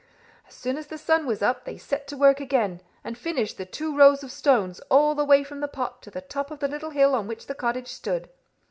As soon as the sun was up, they set to work again, and finished the two rows of stones all the way from the pot to the top of the little hill on which the cottage stood.